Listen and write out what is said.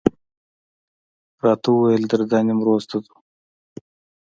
راته وویل درځه نیمروز ته ځو.